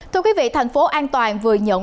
thưa quý vị thành phố an toàn vừa nhận